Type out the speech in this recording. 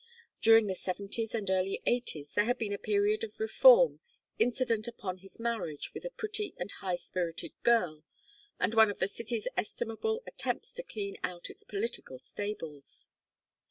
During the Seventies and early Eighties there had been a period of reform, incident upon his marriage with a pretty and high spirited girl, and one of the city's estimable attempts to clean out its political stables.